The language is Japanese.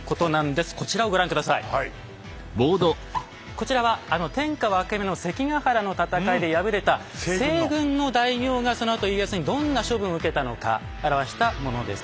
こちらはあの天下分け目の関ヶ原の戦いで敗れた西軍の大名がそのあと家康にどんな処分を受けたのか表したものです。